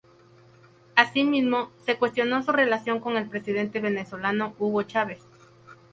Así mismo, se cuestionó su relación con el presidente venezolano Hugo Chávez.